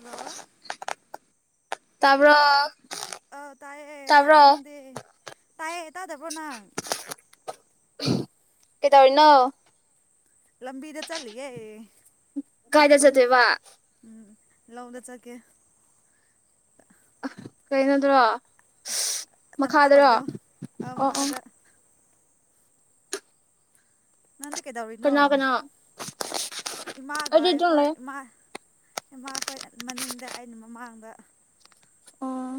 hello ꯇꯥꯕ꯭ꯔꯣ ꯑꯧ ꯇꯥꯏꯌꯦ ꯇꯥꯕ꯭ꯔꯣ ꯅꯪꯗꯤ ꯇꯥꯏꯌꯦ ꯇꯥꯗꯕ꯭ꯔꯣ ꯅꯪ ꯀꯩꯗꯧꯔꯤꯅꯣ ꯂꯝꯕꯤꯗ ꯆꯠꯂꯤꯌꯦ ꯀꯥꯏꯗ ꯆꯠꯇꯣꯢꯕ ꯎꯝ ꯂꯣꯡꯗ ꯐꯠꯒꯦ ꯀꯩꯅꯣꯗ꯭ꯔꯣ ꯇꯝꯄꯥꯛ ꯃꯈꯥꯗꯔꯣ ꯂꯧꯗꯣ ꯑ ꯑ ꯅꯪꯗꯤ ꯀꯩꯗꯧꯔꯤꯅꯣ ꯀꯅꯥ ꯀꯅꯥ ꯏꯃꯥꯒ ꯑꯩꯗꯤ ꯑꯗꯨꯝ ꯑꯩꯈꯣꯏ ꯂꯩ ꯏꯃꯥ ꯏꯃꯥꯈꯣꯏ ꯃꯅꯤꯡꯗ ꯑꯩꯅ ꯃꯃꯥꯡꯗ ꯑꯣ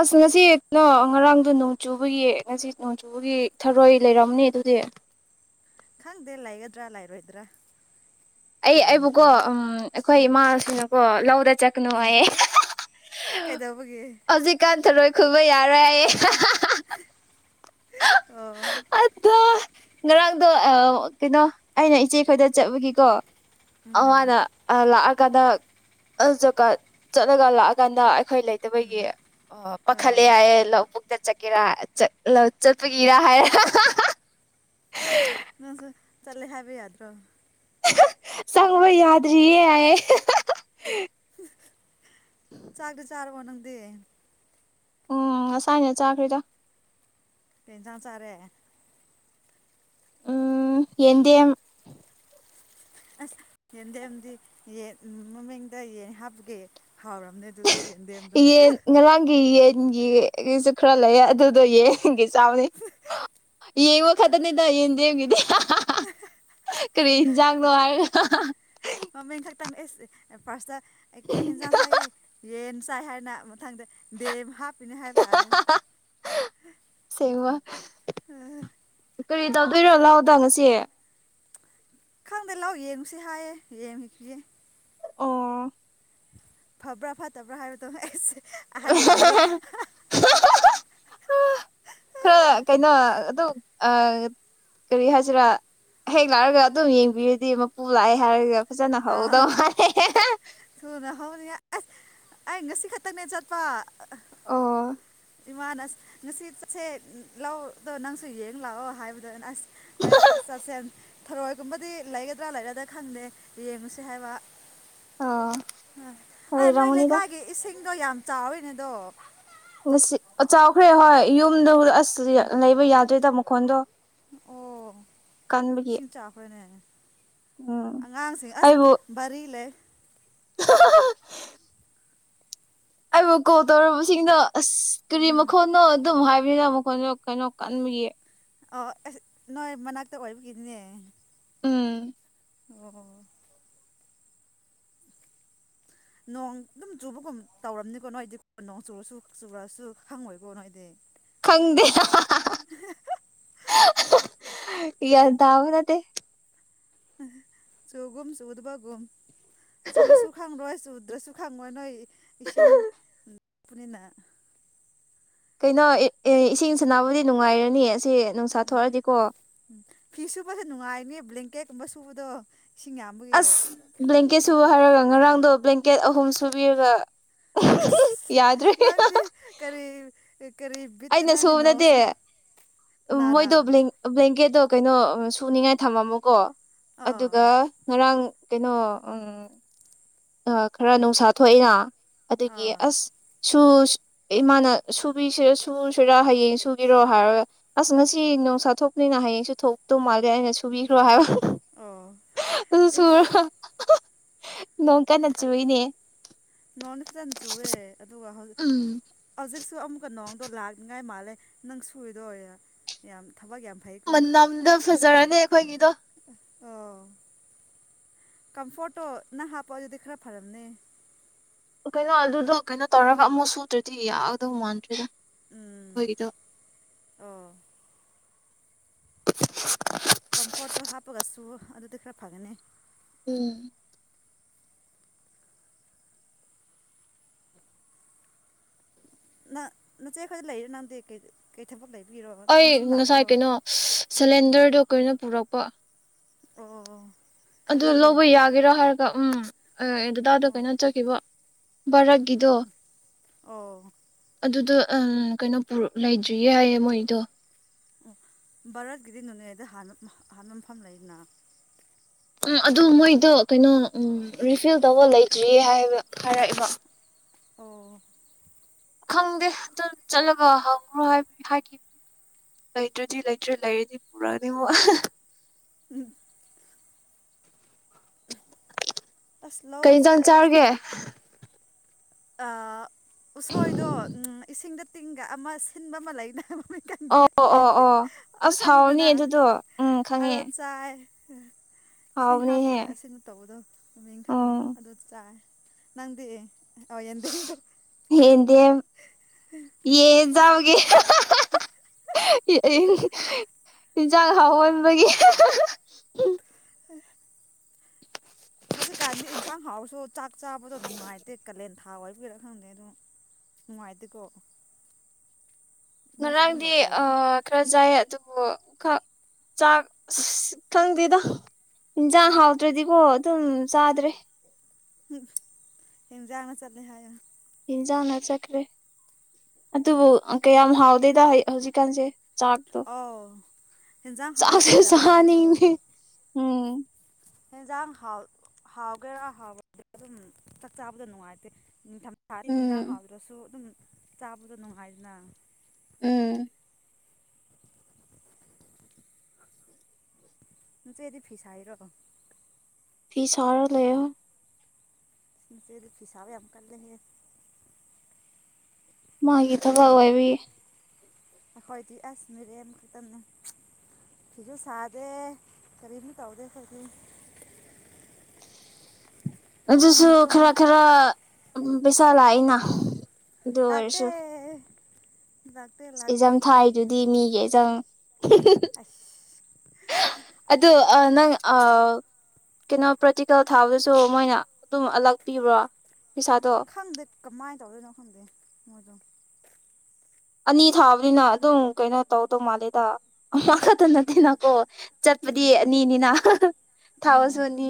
ꯑꯁ ꯉꯁꯤꯗꯣ ꯉꯔꯥꯡꯗꯣ ꯅꯣꯡ ꯆꯨꯕꯒꯤ ꯉꯁꯤ ꯅꯣꯡꯖꯨ ꯑꯗꯨꯒꯤ ꯊꯔꯣꯏ ꯂꯩꯔꯝꯅꯤ ꯑꯗꯨꯗꯤ ꯈꯪꯗꯦ ꯂꯩꯒꯗ꯭ꯔꯥ ꯂꯩꯥꯔꯣꯏꯗ꯭ꯔꯥ ꯑꯩ ꯑꯩꯕꯨꯀꯣ ꯎ ꯑꯩꯈꯣꯏ ꯏꯃꯥꯁꯤꯅꯀꯣ ꯂꯧꯗ ꯆꯠꯀꯅꯨ ꯑ ꯍꯥꯏꯌꯦ ꯀꯩꯗꯧꯕꯒꯤ ꯀꯥ ꯊꯔꯣꯏ ꯈꯨꯟꯕ ꯌꯥꯔꯣꯏ ꯍꯥꯏꯌꯦ ꯑꯣ ꯑ ꯉꯔꯥꯡꯗꯣ ꯀꯩꯅꯣ ꯑꯩꯅ ꯏꯆꯦꯈꯣꯏꯗ ꯆꯠꯕꯒꯤꯀꯣ ꯎꯝ ꯑꯃꯅ ꯂꯥꯛꯑꯀꯥꯟꯗ ꯆꯠꯂꯒ ꯂꯥꯛꯑꯀꯥꯟꯗ ꯑꯩꯈꯣꯏ ꯂꯩꯇꯕꯒꯤ ꯑꯣ ꯄꯥꯈꯠꯂꯦ ꯌꯥꯏꯌꯦ ꯂꯧ ꯄꯨꯨꯛꯇ ꯆꯠꯀꯦꯔꯥ ꯆꯠꯄꯒꯤꯔꯥ ꯍꯥꯏꯔꯥ ꯅꯪꯁꯨ ꯆꯠꯂꯦ ꯍꯥꯏꯕ ꯌꯥꯗ꯭ꯔꯣ ꯆꯪꯕ ꯌꯥꯗꯔꯤꯌꯦ ꯍꯥꯏꯌꯦ ꯆꯥꯛꯗꯨ ꯆꯥꯔꯕꯣ ꯅꯪꯗꯤ ꯑꯣ ꯉꯁꯥꯏꯅ ꯆꯥꯈ꯭ꯔꯦꯗ ꯀꯩ ꯏꯟꯁꯥꯡ ꯆꯥꯔꯦ ꯎꯝ ꯌꯦꯟꯗꯦꯝ ꯑꯁ ꯌꯦꯟꯗꯦꯝꯗꯤ ꯌꯦꯟ ꯃꯃꯤꯡꯗ ꯌꯦꯟ ꯍꯥꯞꯄꯒꯦ ꯍꯥꯎꯔꯝꯅꯦ ꯑꯗꯨꯗꯤ ꯌꯦꯟꯗꯦꯝꯗꯣ ꯌꯦꯟ ꯉꯔꯥꯡꯒꯤ ꯌꯦꯟ ꯕꯨꯒꯤ ꯏꯁꯨ ꯈꯔ ꯂꯩꯌꯦ ꯑꯗꯨꯗꯣ ꯌꯦꯟꯒꯤ ꯆꯥꯕꯅꯤ ꯌꯦꯡꯉꯣ ꯈꯇꯥꯅꯤꯗ ꯌꯦꯟꯗꯦꯝꯒꯤꯗꯤ ꯀꯔꯤ ꯍꯤꯟꯖꯥꯡꯅꯣ ꯍꯥꯏꯔꯒ ꯃꯃꯤꯡ ꯈꯛꯇꯪ ꯏꯁ ꯑꯦ ꯄꯥꯔꯁꯇꯥ ꯑꯩ ꯀꯩ ꯖꯦꯟꯖꯥꯡ ꯆꯥꯒꯦ ꯌꯦꯟ ꯆꯥꯏ ꯍꯥꯏꯅ ꯃꯊꯪꯗ ꯗꯦꯝ ꯍꯥꯞꯄꯤꯅꯦ ꯍꯥꯏꯕ ꯇꯥꯔꯦ ꯁꯦꯡꯕꯥ ꯑꯥ ꯀꯔꯤ ꯇꯧꯗꯣꯏꯔꯣ ꯂꯧꯗꯣ ꯉꯁꯤ ꯈꯪꯗꯦ ꯂꯥꯎ ꯌꯦꯡꯉꯨꯁꯤ ꯍꯥꯏꯌꯦ ꯌꯦꯡꯉꯨꯈꯤꯒꯦ ꯑꯣ ꯐꯕ꯭ꯔꯥ ꯐꯠꯇꯕ꯭ꯔꯥ ꯍꯥꯏꯕꯗꯣ ꯑꯦꯁ [unintelligible] [unintelligible] ꯈꯔ ꯀꯩꯅꯣ ꯑꯗꯨ ꯑꯥ ꯀꯔꯤ ꯍꯥꯏꯁꯤꯔꯥ ꯍꯦꯛ ꯂꯥꯛꯔꯒ ꯑꯗꯨꯝ ꯌꯦꯡꯕꯤꯔꯗꯤ ꯃꯄꯨ ꯂꯥꯛꯑꯦ ꯍꯥꯏꯔꯒ ꯐꯖꯅ ꯑꯥ ꯍꯧꯗꯧ ꯃꯥꯜꯂꯦ ꯊꯨꯅ ꯍꯧꯅꯤꯡꯉꯥꯏ ꯑꯁ ꯑꯩ ꯉꯁꯤ ꯈꯛꯇꯪꯅꯦ ꯆꯠꯄ ꯑꯣ ꯏꯃꯥꯅ ꯑꯁ ꯉꯁꯤ ꯆꯠꯁꯦ ꯂꯧꯗꯣ ꯅꯪꯁꯨ ꯌꯦꯡ ꯂꯥꯛꯑꯣ ꯍꯥꯏꯕꯗꯨꯅ ꯑꯁ ꯍꯣꯏ ꯆꯠꯁꯦꯟ ꯊꯔꯣꯏꯒꯨꯝꯕꯗꯤ ꯂꯩꯒꯗ꯭ꯔꯥ ꯂꯩꯔꯣꯏꯗ ꯈꯪꯗꯦ ꯌꯦꯡꯉꯨꯁꯤ ꯍꯥꯏꯕ ꯑꯣ ꯑꯥ ꯅꯣꯏ ꯂꯩꯔꯝꯒꯅꯤꯗ ꯂꯩꯀꯥꯏꯒꯤ ꯏꯁꯤꯡꯗꯣ ꯌꯥꯝ ꯆꯥꯎꯔꯤꯅꯦ ꯑꯗꯣ ꯉꯁꯤ ꯑꯆꯥꯎꯈ꯭ꯔꯦ ꯍꯣꯏ ꯌꯨꯝꯗ ꯎꯗꯥ ꯑꯁ ꯂꯩꯕ ꯌꯥꯗ꯭ꯔꯤꯗ ꯃꯈꯣꯟꯗꯣ ꯑꯣ ꯀꯟꯕꯒꯤ ꯏꯁꯤꯡ ꯆꯥꯈ꯭ꯔꯅꯦ ꯎꯝ ꯑꯉꯥꯡꯁꯦ ꯑꯁ ꯑꯩꯕꯨ ꯕꯔꯤ ꯂꯩ [unintelligible] [unintelligible] ꯀꯣꯜ ꯇꯧꯔꯕꯁꯤꯡꯅ ꯑꯁ ꯀꯔꯤ ꯎꯝ ꯃꯈꯣꯟꯅꯣ ꯑꯗꯨꯝ ꯍꯥꯏꯕꯤꯅ ꯃꯈꯣꯟꯅꯣ ꯀꯩꯅꯣ ꯀꯟꯕꯒꯤ ꯑꯣ ꯑꯁ ꯅꯣꯏ ꯃꯅꯥꯛꯇꯥ ꯑꯣꯏꯕꯒꯤꯅꯤꯅꯦ ꯎꯝ ꯑꯣ ꯅꯣꯡ ꯑꯗꯨꯝ ꯆꯨꯕꯒꯨꯝ ꯇꯧꯔꯝꯅꯤꯀꯣ ꯅꯣꯏꯗꯤ ꯅꯣꯡ ꯆꯨꯔꯁꯨ ꯆꯨꯔꯁꯨ ꯈꯪꯉꯣꯏꯀꯣ ꯅꯣꯏꯗꯤ ꯈꯪꯗꯦ ꯌꯥꯟ ꯇꯥꯕ ꯅꯠꯇꯦ ꯆꯨꯒꯨꯝ ꯆꯨꯗꯕꯒꯨꯝ ꯆꯨꯔꯁꯨ ꯈꯪꯔꯣꯏ ꯆꯨꯗ꯭ꯔꯥꯁꯨ ꯈꯪꯉꯣꯏ ꯅꯣꯏ ꯏꯁꯤꯡ ꯅꯛꯄꯅꯤꯅ ꯀꯩꯅꯣ ꯑꯦ ꯑꯦ ꯏꯁꯤꯡ ꯁꯥꯅꯕꯗꯤ ꯅꯨꯡꯉꯥꯏꯔꯅꯤ ꯑꯁꯤ ꯅꯨꯡꯁꯥ ꯎꯝ ꯊꯣꯛꯑꯗꯤꯀꯣ ꯎꯝ ꯐꯤ ꯁꯨꯕꯁꯨ ꯅꯨꯡꯉꯥꯏꯅꯤ ꯕ꯭ꯂꯦꯡꯀꯦꯠꯀꯨꯝꯕ ꯁꯨꯕꯗꯣ ꯏꯁꯤꯡ ꯌꯥꯝꯕꯒꯤ ꯑꯁ ꯕ꯭ꯂꯦꯡꯀꯦꯠ ꯁꯨꯕ ꯍꯥꯏꯔꯒ ꯉꯔꯥꯡꯗꯣ ꯕ꯭ꯂꯦꯡꯀꯦꯠ ꯑꯍꯨꯝ ꯁꯨꯕꯤꯔꯒ ꯑꯁ ꯌꯥꯗ꯭ꯔꯦ ꯅꯪꯗꯤ ꯀꯔꯤ ꯀꯔꯤ [unintelligible] ꯑꯩꯅ ꯅꯪꯗꯤ ꯁꯨꯕ ꯅꯣꯡ ꯅꯠꯇꯦ ꯁꯨ ꯀꯅꯔꯥ ꯃꯣꯏꯗꯣ ꯕ꯭ꯂꯦꯡꯀꯦꯠꯇꯣ ꯀꯩꯅꯣ ꯁꯨꯅꯤꯡꯉꯥꯏ ꯊꯝꯃꯝꯃꯣꯀꯣ ꯑꯥ ꯑꯗꯨꯒ ꯉꯔꯥꯡ ꯀꯩꯅꯣ ꯎꯝ ꯑ ꯈꯔ ꯅꯨꯡꯁꯥ ꯊꯣꯛꯏꯅ ꯑꯗꯨꯒꯤ ꯑꯥ ꯑꯁ ꯁꯨ ꯏꯃꯥꯅ ꯁꯨꯕꯤꯁꯤꯔ ꯁꯨꯨꯁꯤꯔ ꯍꯌꯦꯡ ꯁꯨꯒ‌ꯦꯔꯣ ꯍꯥꯏꯔꯒ ꯑꯁ ꯉꯁꯤ ꯅꯨꯡꯁꯥ ꯊꯣꯛꯄꯅꯤꯅ ꯍꯌꯦꯡꯁꯨ ꯊꯣꯛꯇꯧ ꯃꯥꯜꯂꯦ ꯑꯩꯅ ꯁꯨꯕꯤꯈ꯭ꯔꯣ ꯍꯥꯏꯕ ꯑꯣ ꯑꯗꯨ ꯏꯁ ꯁꯨꯔꯒ ꯅꯣꯡ ꯀꯟꯅ ꯆꯨꯔꯤꯅ‌ꯦ ꯅꯣꯡꯗꯤ ꯐꯖꯅ ꯆꯨꯑꯦ ꯑꯗꯨꯒ ꯍꯧꯖꯤꯛ ꯎꯝ ꯍꯧꯖꯤꯛꯁꯨ ꯑꯃꯨꯛꯀ ꯅꯣꯡꯗꯣ ꯂꯥꯛꯅꯤꯉꯥꯏ ꯃꯥꯜꯂꯦ ꯅꯪ ꯁꯨꯔꯤꯗꯣ ꯌꯥꯝ ꯊꯕꯛ ꯌꯥꯝ ꯐꯩꯀꯣ ꯃꯅꯝꯗꯨ ꯐꯖꯔꯅꯤ ꯑꯈꯣꯏꯒꯤꯗꯣ ꯑꯣ ꯀꯝꯐꯣꯔꯠꯇꯣ ꯅꯪ ꯍꯥꯞꯄꯣ ꯑꯗꯨꯗꯤ ꯈꯔ ꯐꯔꯝꯅꯤ ꯀꯩꯅꯣ ꯑꯗꯨꯗꯣ ꯀꯩꯅꯣ ꯇꯧꯔꯒ ꯑꯃꯨꯛ ꯁꯨꯗ꯭ꯔꯗꯤ ꯌꯥꯒꯗꯧ ꯃꯥꯟꯗ꯭ꯔ‌ꯦꯗ ꯎꯝ ꯑꯣ [inaudible] ꯀꯝꯐꯣꯔꯠꯇꯣ ꯍꯥꯞꯄꯒ ꯁꯨꯑꯣ ꯑꯗꯨꯗꯤ ꯈꯔ ꯐꯒꯅꯤ ꯎꯝ ꯅ ꯅꯆꯦ ꯈꯣꯏꯗ ꯂꯩꯔꯦ ꯅꯪꯗꯤ ꯀꯩ ꯀꯩ ꯊꯕꯛ ꯂꯩꯕꯒꯤꯔꯣ ꯆꯨꯝꯅ ꯁꯨꯝ ꯂꯥꯛꯄ꯭ꯔꯣ ꯁꯤꯂꯤꯟꯗꯔꯗꯨ ꯀꯩꯅꯣ ꯄꯨꯔꯛꯄ ꯑꯣ ꯑꯣ ꯑꯗꯨ ꯈꯜꯂꯤ ꯂꯧꯕ ꯌꯥꯒꯦꯔ ꯍꯥꯏꯔꯒ ꯎꯝ ꯑ ꯗꯗꯥꯗ‌ꯣ ꯑꯣ ꯀꯩꯅꯣ ꯆꯠꯈꯤꯕ ꯕꯔꯠꯒꯤꯗꯣ ꯑꯣ ꯑꯗꯨꯗꯣ ꯑ ꯀꯩꯅꯣ ꯄꯨꯔ ꯂꯩꯗ꯭ꯔꯤ ꯍꯥꯏꯌꯦ ꯃꯣꯏꯗꯣ ꯑꯣ ꯕꯥꯔꯠꯀꯤꯗꯤ ꯅꯣꯅꯦꯗ ꯍꯥꯟꯕ ꯍꯥꯟꯕ ꯃꯐꯝ ꯂꯩꯗꯅ ꯎꯝ ꯑꯗꯨ ꯃꯣꯏꯗꯨ ꯀꯩꯅꯣ ꯎꯝ ꯔꯤꯐꯤꯜ ꯇꯧꯕ ꯂꯩꯇ꯭ꯔꯤꯌꯦ ꯍꯥꯏꯕ ꯍꯥꯏꯔꯛꯑꯦꯕ ꯑꯣ ꯈꯪꯗꯦ ꯆꯠ ꯆꯠꯂꯒ ꯍꯪꯔꯣ ꯍꯥꯏ ꯍꯥꯏꯈꯤ ꯂꯩꯇ꯭ꯔꯗꯤ ꯂꯩꯇ꯭ꯔꯦ ꯂꯩꯔꯗꯤ ꯄꯨꯔꯛꯑꯅꯤꯕꯣ ꯎꯝ ꯑꯁ ꯀꯩ ꯂꯧꯁꯦ ꯏꯟꯖꯥꯡ ꯆꯥꯔꯒꯦ ꯑ ꯎꯁꯣꯏꯗꯣ ꯎꯝ ꯏꯁꯤꯡꯗ ꯇꯤꯡꯒ ꯑꯃ ꯁꯤꯟꯕ ꯑꯃ ꯑꯣ ꯂꯩꯅꯕ ꯑꯣ ꯑꯣ ꯑꯣ ꯑꯗꯨ ꯑꯁ ꯍꯥꯎꯅꯤ ꯈꯪꯉꯤꯗꯅ ꯑꯗꯨꯗꯣ ꯎꯝ ꯈꯪꯉꯦ ꯑꯗꯣ ꯆꯥꯏ ꯏꯁꯤꯡ ꯍꯥꯎꯕꯅꯤꯍꯦ ꯍꯥꯞꯄꯒ ꯑꯁꯤꯟꯕ ꯇꯧꯕꯗꯣ ꯃꯃꯤꯡ ꯈꯪꯗꯦ ꯎꯝ ꯑꯗ‌ꯣ ꯆꯥꯏ ꯅꯪꯗꯤ ꯑꯣ ꯌꯦꯟꯗꯦꯝꯀꯣ ꯍꯦꯟꯗꯦꯝ ꯌꯦꯟ ꯆꯕꯒꯤ ꯍꯤꯟꯖꯥꯡ ꯍꯥꯎꯍꯟꯕꯒꯤ ꯍꯧꯖꯤꯛꯀꯥꯟꯗꯤ ꯏꯟꯁꯥꯡ ꯍꯥꯎꯔꯁꯨ ꯆꯥꯛ ꯆꯥꯕꯗ‌ꯣ ꯅꯨꯡꯉꯥꯏꯇꯦ ꯀꯥꯂꯦꯟ ꯊꯥ ꯑꯣꯏꯕꯒꯤꯔ ꯈꯪꯗꯦ ꯑꯗ‌ꯣ ꯅꯨꯡꯉꯥꯏꯇ‌ꯦꯀꯣ ꯉꯔꯥꯡꯗꯤ ꯇꯧꯕ꯭ꯔꯣ ꯑ ꯈꯔ ꯆꯥꯏꯌꯦ ꯑꯗꯨꯕꯨ ꯈꯥ ꯆꯥꯛ ꯑꯁ ꯈꯪꯗꯦꯗ ꯍꯤꯟꯁꯥꯡ ꯍꯥꯎꯗ꯭ꯔꯗꯤꯀꯣ ꯑꯗꯨꯝ ꯆꯥꯗ꯭ꯔꯦ ꯍꯦꯟꯖꯥꯡꯅ ꯆꯠꯂꯦ ꯍꯥꯏꯌꯣ ꯏꯟꯖꯥꯡꯅ ꯆꯠꯈ꯭ꯔꯦ ꯑꯗꯨꯕꯨ ꯀꯌꯥꯝ ꯍꯥꯎꯗꯦꯗ ꯍꯧꯖꯤꯛꯀꯥꯟꯁꯦ ꯆꯥꯛꯇꯣ ꯑꯣ ꯍꯦꯟꯖꯥꯡ ꯍꯥꯎꯔꯁꯨ ꯆꯥꯛꯁꯨ ꯀꯌꯥ ꯍꯥꯎꯗꯦꯒꯣ ꯆꯥꯅꯤꯡꯉꯦ ꯎꯝ ꯍ‌ꯦꯟꯖꯥꯡ ꯍꯥꯎꯒꯦꯔꯥ ꯍꯥꯎꯔ‌ꯣꯏꯒ‌ꯦꯔ ꯑꯗꯨꯝ ꯆꯥꯛ ꯆꯥꯕꯗ ꯅꯨꯡꯉꯥꯏꯇꯦ ꯅꯤꯡꯊꯝ ꯊꯥꯗꯤ ꯍꯤꯟꯖꯥꯡ ꯎꯝ ꯍꯥꯎꯗꯔꯁꯨ ꯑꯗꯨꯝ ꯆꯥꯕꯗꯨ ꯅꯨꯡꯉꯥꯏꯗꯅ ꯎꯝ ꯅꯆꯦꯗꯤ ꯐꯤ ꯁꯥꯢꯔꯣ ꯐꯤ ꯁꯔꯣ ꯂꯩꯑꯣ ꯆꯦꯗꯨ ꯐꯤꯁꯥꯕ ꯌꯥꯝ ꯀꯜꯂꯦꯍꯦ ꯃꯥꯒꯤ ꯊꯕꯛ ꯑꯣꯢꯕꯒꯤ ꯑꯩꯈꯣꯏꯗꯤ ꯑꯁ ꯃꯤꯔ ꯈꯛꯇꯅꯦ ꯐꯤꯖꯨ ꯁꯥꯗꯦ ꯀꯔꯤꯁꯨ ꯇꯧꯗꯦ ꯑꯈꯣꯢꯗꯤ ꯑꯗꯨꯝ ꯑꯗꯨꯁꯨ ꯇꯨꯝ ꯈꯔ ꯈꯔ ꯄꯩꯁꯥ ꯂꯥꯛꯏꯅ ꯑꯗꯨ ꯑꯣꯏꯔꯁꯨ ꯂꯇꯦ ꯑꯦꯛꯖꯥꯝ ꯊꯥꯢꯗꯨꯗꯤ ꯃꯤꯒꯤ ꯑꯦꯛꯖꯥꯝ [unintelligible] ꯑꯗꯨ ꯑ ꯅꯪ ꯑ ꯀꯩꯅꯣ ꯄ꯭ꯔꯦꯇꯤꯀꯦꯜ ꯊꯥꯕꯗꯨꯁꯨ ꯃꯣꯏꯅ ꯑꯗꯨꯝ ꯑꯜꯂꯛꯄꯤꯕ ꯄꯩꯁꯥꯗꯣ ꯈꯪꯗꯦ ꯀꯃꯥꯢ ꯇꯧꯗꯣꯢꯅꯣ ꯈꯪꯗ꯭ꯔꯦ ꯃꯣꯢꯗꯣ ꯑꯅꯤ ꯊꯥꯕꯅꯤꯅ ꯑꯗꯨꯝ ꯀꯩꯅꯣ ꯇꯧꯗꯧ ꯃꯥꯂꯦꯗ ꯈꯛꯇ ꯅꯠꯇꯦꯅꯀꯣ ꯆꯠꯄꯗꯤ ꯎꯝ ꯑꯅꯤꯅꯤꯅ ꯊꯥꯕꯁꯨ ꯎꯝ ꯑꯅꯤ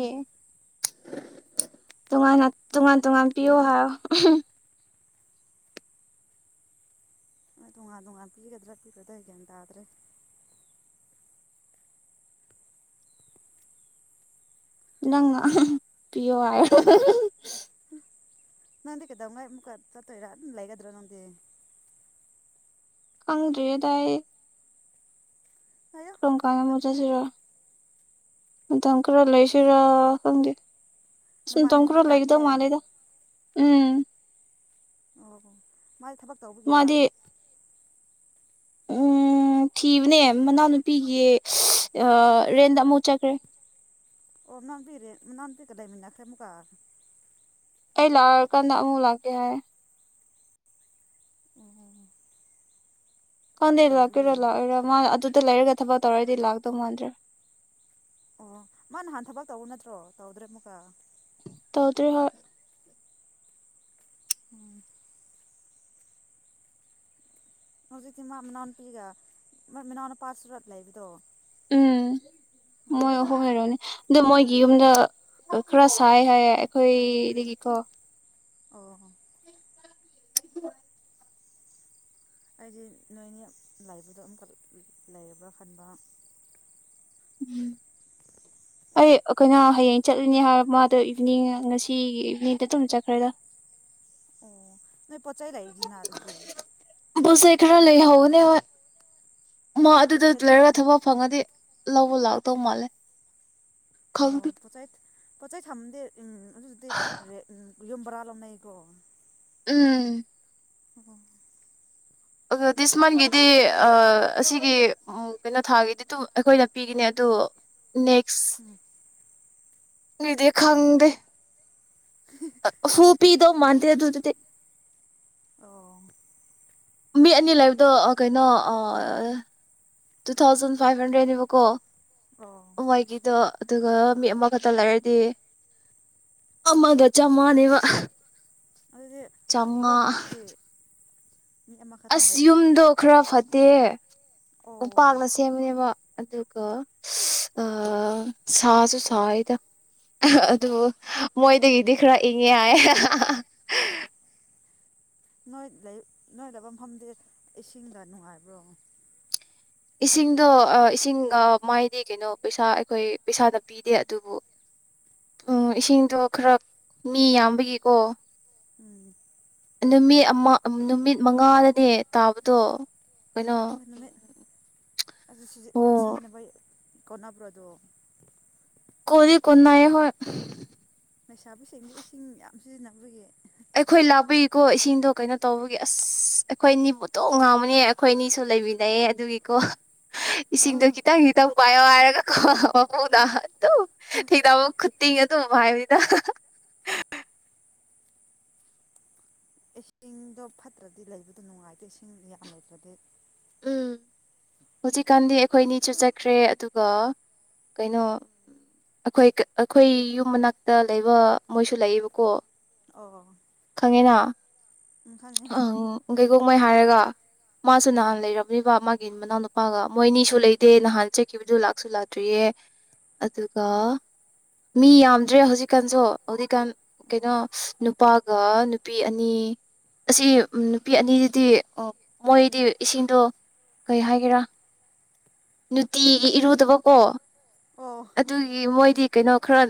ꯇꯣꯉꯥꯟꯅ ꯇꯣꯉꯥꯟ ꯇꯣꯉꯥꯟ ꯄꯤꯌꯣ ꯍꯥꯢꯔꯣ ꯅꯣꯏ ꯇꯣꯉꯥꯟ ꯇꯣꯉꯥꯟ ꯄꯤꯒꯗ꯭ꯔꯥ ꯄꯤꯒꯗ꯭ꯔ ꯒꯌꯥꯟ ꯇꯥꯗ꯭ꯔꯦ ꯅꯪꯅ ꯄꯤꯌꯣ ꯍꯥꯢꯌꯣ ꯅꯪꯗꯤ ꯀꯩꯗꯧꯉꯩ ꯑꯃꯨꯛꯀ ꯆꯠꯇꯨꯢꯔ ꯑꯗꯨꯝ ꯂꯩꯔꯗ꯭ꯔꯥ ꯅꯪꯗꯤ ꯈꯪꯗ꯭ꯔꯤꯌꯦꯗ ꯑꯩ ꯉꯥꯏꯌꯣ ꯀꯔꯝ ꯀꯥꯟꯅ ꯃꯇꯝ ꯑꯃꯨꯛ ꯈꯔ ꯆꯠꯁꯤꯔ ꯃꯇꯝ ꯈꯔ ꯂꯩꯁꯤꯔ ꯈꯪꯗꯦ ꯁꯨꯨꯝꯇꯣꯡ ꯅꯃꯥꯟꯅꯕꯤꯗꯤ ꯈꯔ ꯂꯥꯛꯇꯦ ꯂꯩꯗꯧ ꯃꯥꯂꯦꯗ ꯎꯝ ꯑꯣ ꯃꯥꯢ ꯊꯕꯛ ꯇꯧꯕꯒꯤꯔ ꯃꯥꯗꯤ ꯎꯝ ꯊꯤꯕꯅꯦ ꯃꯅꯥꯎꯅꯨꯄꯤꯒꯤ ꯑ ꯔꯦꯟꯗ ꯑꯃꯨꯛ ꯆꯠꯈ꯭ꯔꯦ ꯑꯣ ꯃꯅꯥꯎꯅꯨꯄꯤ ꯔꯦꯟ ꯃꯅꯥꯎꯅꯨꯄꯤꯒ ꯂꯩꯃꯤꯟꯅꯈꯔꯦ ꯃꯨꯛꯀ ꯑꯩ ꯂꯥꯛꯑꯀꯥꯟꯗ ꯑꯃꯨꯛ ꯂꯥꯛꯀꯦ ꯍꯥꯢꯔꯦ ꯎꯝ ꯎꯝ ꯎꯝ ꯈꯪꯗꯦ ꯂꯥꯛꯇꯨꯢꯔ ꯂꯥꯛꯑꯣꯏꯔ ꯃꯥ ꯑꯗꯨꯗ ꯂꯩꯔꯒ ꯊꯕꯛ ꯇꯧꯔꯗꯤ ꯂꯥꯛꯇꯧ ꯃꯥꯟꯗ꯭ꯔꯦ ꯑꯣ ꯃꯥ ꯅꯍꯥꯟ ꯊꯕꯛ ꯇꯧꯕ ꯅꯠꯇ꯭ꯔꯣ ꯇꯧꯗ꯭ꯔꯦ ꯃꯨꯛꯀ ꯇꯧꯗꯔꯤ ꯍꯣꯏ ꯎꯝ ꯍꯧꯖꯤꯛꯇꯤ ꯃꯥ ꯃꯅꯥꯎꯅꯨꯄꯤꯒ ꯃ ꯃꯅꯥꯎ ꯅꯨꯄꯥ ꯁꯨꯔ ꯂꯩꯕꯗꯣ ꯎꯝ ꯃꯣꯏ ꯑꯍꯨꯝ ꯂꯩꯔꯅꯤ ꯑꯗꯣ ꯃꯣꯏꯒꯤ ꯌꯨꯝꯗ ꯈꯔ ꯁꯥꯏ ꯍꯥꯏꯌꯦ ꯑꯩꯈꯣꯏꯗꯒꯤꯀꯣ ꯑꯣ [unintelligible] ꯑꯩꯗꯤ ꯅꯣꯏꯅꯤ ꯂꯥꯏꯕꯗꯣ ꯑꯃꯝꯈꯛ ꯂꯩꯔꯕ꯭ꯔꯥ ꯈꯟꯕ ꯎꯝ [unintelligible] ꯑꯩ ꯑꯩꯈꯣꯏꯅ ꯍꯌꯦꯡ ꯆꯠꯂꯤꯅꯦ ꯍꯥꯏ ꯃꯥꯗꯣ ꯏꯚꯤꯅꯤꯡ ꯉꯁꯤ ꯏꯚꯤꯅꯤꯡꯗ ꯑꯗꯨꯝ ꯆꯠꯈ꯭ꯔꯦꯗ ꯑꯣ ꯅꯣꯏ ꯄꯣꯠꯆꯩ ꯂꯩꯗꯨꯅ ꯑꯗꯨꯢ ꯄꯣꯠ ꯆꯩ ꯈꯔ ꯂꯩꯍꯧꯕꯅꯦ ꯍꯣꯏ ꯃꯥ ꯄꯣꯠ ꯑꯗꯨꯗ ꯆꯩ ꯂꯩꯗꯤ ꯅꯣꯏ ꯂꯩꯔꯒ ꯊꯕꯛ ꯐꯪꯉꯗꯤ ꯂꯧꯕ ꯂꯥꯛꯇꯧ ꯃꯥꯜꯂꯦ ꯑꯣ ꯈꯪꯗꯦ ꯄꯣꯠꯆꯥꯏ ꯄꯣꯠꯆꯥꯏ ꯊꯥꯃꯗꯤꯦ ꯎꯝ ꯑꯗꯨꯛ ꯑꯗꯨꯗꯤ ꯌꯨꯝ ꯕꯔꯥ ꯂꯧꯅꯩꯀꯣ ꯎꯝ ꯑꯣ ꯑ ꯗꯤꯁꯃꯥꯟꯒꯤꯗꯤ ꯑꯁꯤꯒꯤ ꯀꯩꯅꯣ ꯊꯥꯒꯤꯗꯤ ꯑꯗꯨꯝ ꯑꯩꯈꯣꯏꯅ ꯄꯤꯈꯤꯅꯦ ꯑꯗꯨꯗꯣ ꯅꯦꯛꯁ ꯂꯩꯗꯤ ꯈꯪꯗꯦ ꯍꯨ ꯄꯤꯗꯣ ꯃꯥꯇꯗ ꯑꯗꯨꯗꯗꯤ ꯑ ꯃꯤ ꯑꯅꯤ ꯂꯩꯕꯗꯣ ꯀꯩꯅꯣ ꯇꯨ ꯊꯥꯎꯖꯟ ꯐꯥꯏꯚ ꯍꯟꯗ꯭ꯔꯦꯗꯅꯦꯕꯀꯣ ꯑꯣ ꯎ ꯋꯥꯏꯒꯤꯗꯣ ꯑꯗꯨꯒ ꯃꯤ ꯑꯃꯈꯛꯇ ꯂꯩꯔꯗꯤ ꯑꯃꯒꯆꯥꯝ ꯃꯥꯅꯦꯕ ꯑꯗꯨꯗꯤ ꯍꯣꯡꯅ ꯑꯗꯨꯗꯤ ꯃꯤ ꯑꯃꯈꯛꯇꯪ ꯑꯁ ꯂꯩꯕ ꯑꯃꯨꯛꯀ ꯌꯨꯝꯗꯣ ꯅꯨꯡꯉꯥꯏ ꯈꯔ ꯐꯠꯇꯦ ꯑꯣ ꯎꯄꯥꯛꯅꯁꯨ ꯁꯦꯝꯕꯅꯦꯕ ꯑꯗꯨꯒ ꯁꯥꯁꯨ ꯁꯥꯔꯤꯗ ꯑꯗꯨ ꯃꯣꯏꯗꯒꯤꯗꯤ ꯈꯔ ꯏꯪꯉꯦ ꯅꯣꯏ ꯂꯩ ꯅꯣꯏ ꯂꯩꯕ ꯃꯐꯝꯗꯤ ꯏꯁꯤꯡꯒ ꯅꯨꯡꯉꯥꯏꯕ꯭ꯔꯣ ꯏꯁꯤꯡꯗꯣ ꯏꯁꯤꯡ ꯃꯥꯏꯗꯤ ꯀꯩꯅꯣ ꯄꯩꯁꯥ ꯑꯩꯈꯣꯏ ꯄꯩꯁꯥꯗ ꯄꯤꯗꯦ ꯑꯗꯨꯕꯨ ꯎ ꯏꯁꯤꯡꯗꯣ ꯈꯔ ꯃꯤ ꯌꯥꯝꯕꯒꯤꯀꯣ ꯎꯝ ꯅꯨꯃꯤꯠ ꯑꯃ ꯅꯨꯃꯤꯠ ꯃꯉꯥꯗꯅꯦ ꯇꯥꯕꯗꯣ ꯀꯩꯅꯣ ꯅꯨꯃꯤꯠ ꯑꯁꯤ ꯑꯣ ꯁꯤꯖꯤꯟꯅꯕꯩ ꯀꯣꯟꯅꯕ꯭ꯔꯣꯗꯣ ꯀꯣ ꯀꯅꯥꯑ ꯍ ꯂꯩꯩꯁꯥꯕꯨ ꯁꯦꯡꯗ ꯏꯁꯤꯡ ꯌꯥꯝ ꯁꯤꯖꯤꯟꯅꯈ꯭ꯔꯒꯦ ꯑꯩꯈꯣꯏ ꯂꯥꯛꯄꯤꯀꯣ ꯏꯁꯤꯡꯗꯣ ꯀꯩꯅꯣ ꯇꯧꯕꯒꯤ ꯑꯁ ꯑꯩꯈꯣꯏ ꯑꯅꯤꯕꯨ ꯇꯣꯛ ꯉꯥꯡꯕꯅꯦ ꯑꯩꯈꯣꯏ ꯑꯅꯤꯁꯨ ꯂꯩꯃꯤꯟꯅꯩꯑꯦ ꯑꯗꯨꯒꯤꯀꯣ ꯑꯣ ꯏꯁꯤꯡꯗꯣ ꯈꯤꯇꯪ [unintelligible] ꯊꯦꯡꯗꯥꯕ ꯈꯨꯠꯇꯤꯡ ꯑꯗꯨꯝ ꯍꯥꯏꯕꯅꯤꯗ ꯏꯁꯤꯡꯗꯣ ꯐꯠꯇ꯭ꯔꯗꯤ ꯂꯩꯕꯗꯣ ꯅꯨꯡꯉꯥꯏꯇꯦ ꯏꯁꯤꯡ ꯌꯥꯝ ꯂꯩꯇ꯭ꯔꯗꯤ ꯎꯝ ꯍꯧꯖꯤꯛꯀꯥꯟꯗꯤ ꯑꯩꯈꯣꯏ ꯑꯅꯤꯁꯨ ꯆꯠꯈ꯭ꯔꯦ ꯑꯗꯨꯒ ꯀꯩꯅꯣ ꯑꯩꯈꯣꯏ ꯑꯩꯈꯣꯏ ꯌꯨꯝ ꯃꯅꯥꯛꯇ ꯂꯩꯕ ꯃꯣꯏꯁꯨ ꯂꯩꯌꯦꯕꯀꯣ ꯑꯣ ꯈꯪꯉꯦꯅ ꯎꯝ ꯈꯪꯉꯦ ꯀꯩꯀꯣꯛꯉꯩ ꯍꯥꯏꯔꯒ ꯃꯥꯁꯨ ꯑꯣ ꯅꯍꯥꯟ ꯂꯩꯔꯝ ꯋꯥ ꯃꯥꯒꯤ ꯃꯅꯥꯎꯅ ꯃꯄꯥꯒ ꯃꯣꯏ ꯑꯅꯤꯁꯨ ꯂꯩꯗꯦ ꯅꯍꯥꯟ ꯆꯠꯈꯤꯕꯗꯨ ꯂꯥꯛꯁꯨ ꯂꯥꯛꯇ꯭ꯔꯤꯌꯦ ꯑꯗꯨꯒ ꯃꯤ ꯌꯥꯝꯗ꯭ꯔꯦ ꯍꯧꯖꯤꯛꯀꯥꯟꯁꯨ ꯍꯧꯖꯤꯛꯀꯥꯟ ꯀꯩꯅꯣ ꯅꯨꯄꯥꯒ ꯅꯨꯄꯤ ꯑꯅꯤ ꯑꯁꯤ ꯅꯨꯄꯤ ꯑꯅꯤꯗꯨꯗꯤ ꯃꯣꯏꯗꯤ ꯏꯁꯤꯡꯗꯣ ꯀꯩ ꯍꯥꯏꯒꯦꯔꯥ ꯅꯨꯡꯇꯤꯒꯤ ꯏꯔꯨꯗꯕꯀꯣ ꯑꯣ ꯑꯗꯨꯒꯤ ꯃꯣꯏꯗꯤ ꯀꯩꯅꯣ ꯈꯔ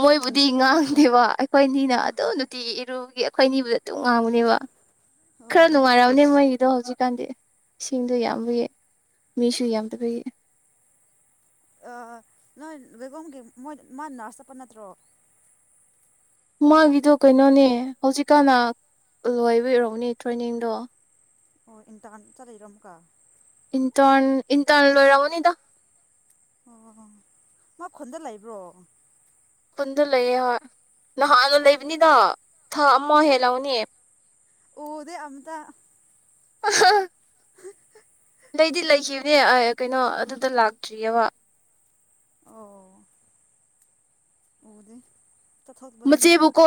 ꯃꯣꯏꯕꯨꯗꯤ ꯉꯥꯡꯗꯦꯕ ꯑꯩꯈꯣꯏ ꯑꯅꯤꯅ ꯑꯗꯨꯝ ꯅꯨꯡꯇꯤ ꯏꯔꯨꯕꯒꯤ ꯑꯩꯈꯣꯏ ꯑꯅꯤꯕꯨꯗꯤ ꯑꯗꯨꯝ ꯉꯥꯡꯒꯅꯦꯕ [unintelligible] ꯈꯔ ꯅꯨꯡꯉꯥꯏꯔꯑꯅꯦ ꯃꯩꯗꯣ ꯍꯧꯖꯤꯛꯀꯥꯟꯗꯤ ꯏꯁꯤꯡꯗꯣ ꯌꯥꯝꯕ ꯌꯦꯏ ꯃꯤꯁꯨ ꯌꯥꯝꯗꯕꯩ ꯑꯥ ꯅꯣꯏ ꯕꯦꯒꯣꯝꯒꯤ ꯃꯣꯏ ꯃꯥ ꯅꯔꯁ ꯆꯞꯄ ꯅꯠꯇ꯭ꯔꯣ ꯃꯥꯒꯤꯗꯣ ꯀꯩꯅꯣꯅꯦ ꯍꯧꯖꯤꯛꯀꯥꯟꯅ ꯂꯣꯏꯕꯩ ꯑꯣꯏꯔꯝꯒꯅꯤ ꯇ꯭ꯔꯦꯅꯤꯡꯗꯣ ꯑꯣ ꯏꯟꯇꯥꯟ ꯆꯠꯂꯤꯔꯣ ꯃꯨꯛꯀꯥ ꯏꯟꯇꯔꯟ ꯏꯟꯇꯜ ꯂꯣꯏꯔꯃꯅꯤꯗ ꯑꯣ ꯃꯥ ꯈꯨꯟꯗ ꯂꯩꯕ꯭ꯔꯣ ꯈꯨꯟꯗ ꯂꯩꯌꯦ ꯍꯣꯏ ꯅꯍꯥꯜꯅ ꯂꯩꯕꯅꯤꯗ ꯊꯥ ꯑꯃ ꯑꯦ ꯍꯦꯜꯂꯝꯉꯅꯤ ꯎꯗꯦ ꯑꯝꯇꯥ [unintelligible] ꯂꯩꯗꯤ ꯂꯩꯈꯤꯕꯅꯦ ꯑꯥꯢ ꯀꯩꯅꯣ ꯑꯗꯨꯗ ꯂꯥꯛꯇ꯭ꯔꯤꯑꯕ ꯑꯣ ꯎꯗꯦ ꯆꯠꯊꯣꯛꯕꯅꯤꯅ ꯃꯆꯦꯕꯨ ꯀꯣꯜ